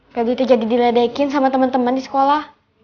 febri jadi someday diledekin sama teman teman di sekolah